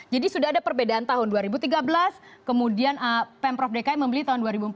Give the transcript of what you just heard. jadi sudah ada perbedaan tahun dua ribu tiga belas kemudian pemprov dki membeli tahun dua ribu empat belas